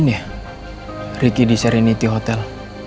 ngapain ya ricky di serenity hotel